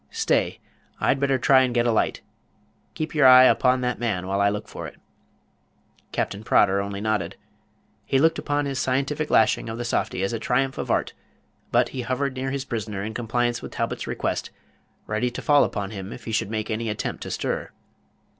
Stay, I'd better try and get a light. Keep your eye upon that man while I look for it." Captain Prodder only nodded. He looked upon his scientific lashing of the softy as the triumph of art; but he hovered near his prisoner in compliance with Talbot's request, ready to fall upon him if he should make any attempt to stir.